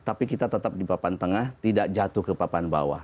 tapi kita tetap di papan tengah tidak jatuh ke papan bawah